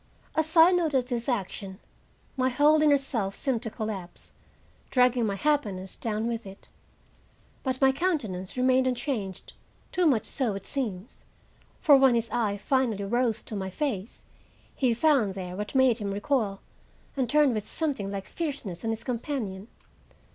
As I noted this action, my whole inner self seemed to collapse, dragging my happiness down with it. But my countenance remained unchanged, too much so, it seems; for when his eye finally rose to my face, he found there what made him recoil and turn with something like fierceness on his companion.